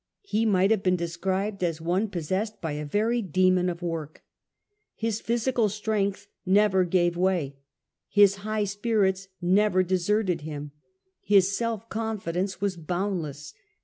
He mig ht have been described as one pos sessed by a very demon of work. His physical strength never gave way. His high spirits never deserted him. His self confidence was boundless.